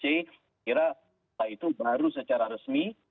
saya kira itu baru secara resmi